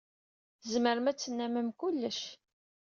Tzemrem ad tennammem kullec.